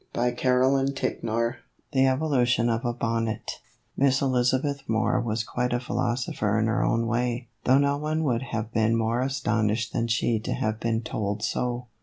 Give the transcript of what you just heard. THE EVOLUTION OF A BONNET THE EVOLUTION OF A BONNET MISS ELIZABETH MOORE was quite a phi losopher in her way, though no one would have been more astonished than she to have been told so.